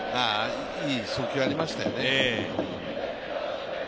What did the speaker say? いい送球がありましたよね。